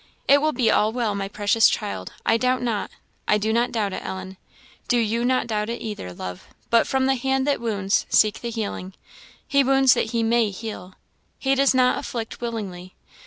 "It will be all well, my precious child, I doubt not. I do not doubt it, Ellen. Do you not doubt it either, love; but from the hand that wounds, seek the healing. He wounds that he may heal. He does not afflict willingly.